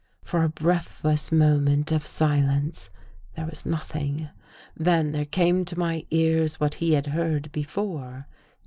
For a breathless moment of silence there was nothing. Then there came to my ears, what he had heard before.